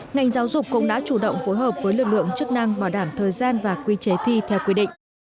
ngành giáo dục cũng đã chủ động phối hợp với lực lượng chức năng bảo đảm thời gian và quy chế thi theo quy định